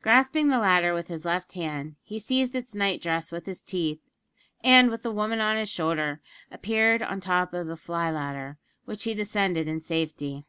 Grasping the latter with his left hand, he seized its night dress with his teeth, and, with the woman on his shoulder, appeared on the top of the fly ladder, which he descended in safety.